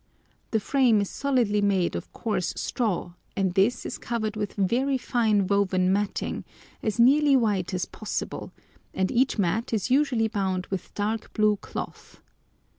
The frame is solidly made of coarse straw, and this is covered with very fine woven matting, as nearly white as possible, and each mat is usually bound with dark blue cloth.